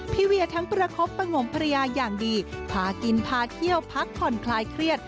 เวียทั้งประคบประงมภรรยาอย่างดีพากินพาเที่ยวพักผ่อนคลายเครียด